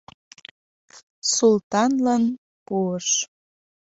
Султанлан пуыш.